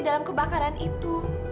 dalam kebakaran itu